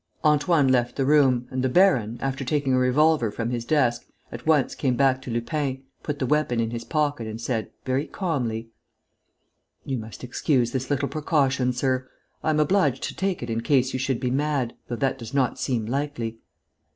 Antoine left the room and the baron, after taking a revolver from his desk, at once came back to Lupin, put the weapon in his pocket and said, very calmly: "You must excuse this little precaution, sir. I am obliged to take it in case you should be mad, though that does not seem likely.